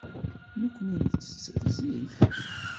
Nekkni nettett zik.